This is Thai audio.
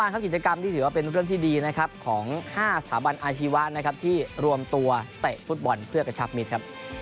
จินจัดกรรมว่าเป็นเริ่มที่ดีของ๕สถาบันอาชีวะที่รวมตัวเตะฟุตบอลเพื่อกระชับมิตร